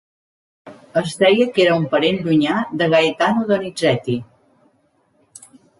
Es deia que era un parent llunyà de Gaetano Donizetti.